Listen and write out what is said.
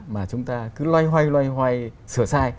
mà chúng ta cứ loay hoay loay hoay sửa sai